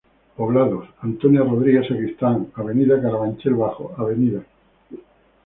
Poblados, Antonia Rodríguez Sacristán, Avda. Carabanchel Bajo, Avda.